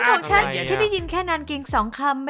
สนับส้มความต้องกลัวนานกิ๊ง๒คำ